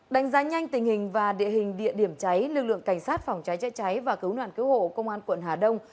đánh giá nhanh tình hình và địa hình địa điểm cháy lực lượng cảnh sát phòng cháy chữa cháy và cứu nạn cứu hộ công an quận hà đông